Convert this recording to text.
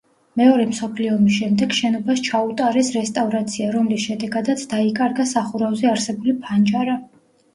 მეორე მსოფლიო ომის შემდეგ შენობას ჩაუტარეს რესტავრაცია, რომლის შედეგადაც დაიკარგა სახურავზე არსებული ფანჯარა.